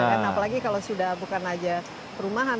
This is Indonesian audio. apalagi kalau sudah bukan aja perumahan